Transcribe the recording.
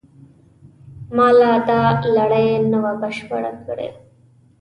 ما لا دا لړۍ نه وه بشپړه کړې.